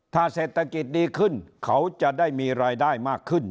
ถ้าเศรษฐกิจดีขึ้นเขาจะได้มีรายได้มากขึ้น